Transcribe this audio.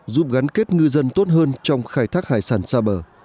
giúp gắn kết ngư dân tốt hơn trong khai thác hải sản xa bờ